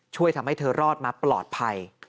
ช่วยทำให้เธอรอดมาปลอดภัย